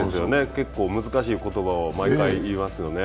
結構難しい言葉を毎回言いますよね。